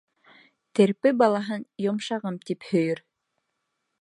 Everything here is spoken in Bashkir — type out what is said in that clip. Терпе балаһын «йомшағым» тип һөйөр.